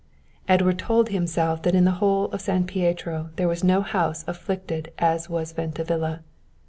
Edward told himself that in the whole of San Pietro there was no house afflicted as was Venta Villa.